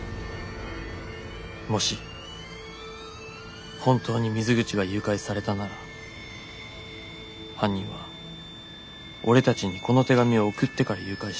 もし本当に水口が誘拐されたなら犯人は俺たちにこの手紙を送ってから誘拐してる。